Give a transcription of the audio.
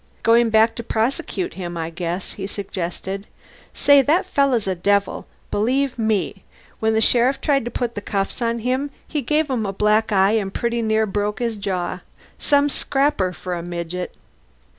"Goin' back to prosecute him, I guess?" he suggested. "Say, that feller's a devil, believe me. When the sheriff tried to put the cuffs on him he gave him a black eye and pretty near broke his jaw. Some scrapper fer a midget!"